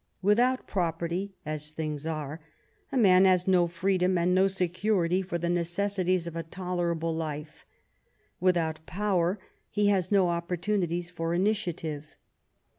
Without property, as things are, a man has no freedom, and no security for the necessities of a tolerable life; without power, he has no opportunity for initiative.